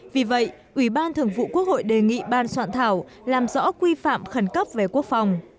vì vậy ủy ban thường vụ quốc hội đề nghị ban soạn thảo làm rõ quy phạm khẩn cấp về quốc phòng